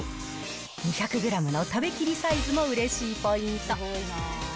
２００グラムの食べきりサイズもうれしいポイント。